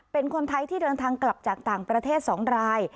เป็นคนไทยที่เดินทางกลับจากต่างประเทศ๒ราย